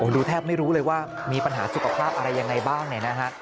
ดูแทบไม่รู้เลยว่ามีปัญหาสุขภาพอะไรยังไงบ้างเนี่ยนะฮะ